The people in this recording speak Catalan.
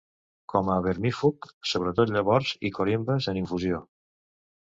Com a vermífug, sobretot llavors i corimbes en infusió.